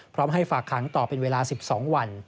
พร้อมให้ฝากขังต่อเป็นเวลา๑๒วัน